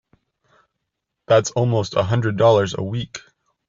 That's almost a hundred dollars a week!